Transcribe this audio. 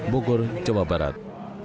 bukur jawa barat